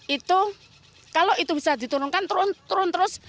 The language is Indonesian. itu kalau itu bisa diturunkan turun terus